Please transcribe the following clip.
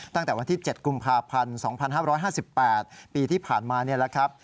ตั้งแต่วันที่๗กุมภาพันธ์๒๕๕๘ปีที่ผ่านมานี่แหละครับ